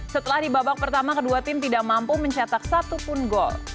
setelah di babak pertama kedua tim tidak mampu mencatak satu pun gol